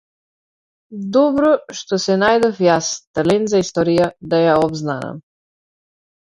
Добро што се најдов јас, талент за историја, да ја обзнанам.